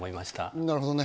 なるほどね。